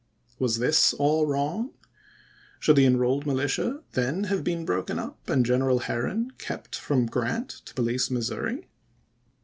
Was this all wrong? Should the Enrolled MiUtia " then have been broken up, and General Herron kept from Grant to police Missouri?